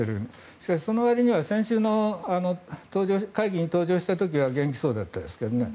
しかし、そのわりには先週の会議に登場した時は元気そうだったですけどね。